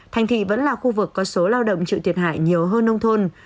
thành thị vẫn là khu vực có số lao động chịu thiệt hại nhiều hơn nông thôn